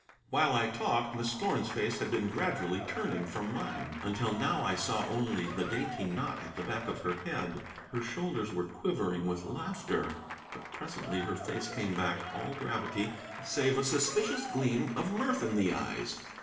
While I talked Miss Thorn's face had been gradually turning from mine until now I saw only the dainty knot at the back of her head. Her shoulders were quivering with laughter. But presently her face came back all gravity, save a suspicious gleam of mirth in the eyes.